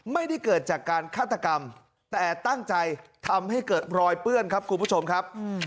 ไม่ได้เกิดจากการฆาตกรรมแต่ตั้งใจทำให้เกิดรอยเปื้อนครับคุณผู้ชมครับ